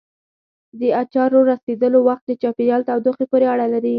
د اچارو رسېدلو وخت د چاپېریال تودوخې پورې اړه لري.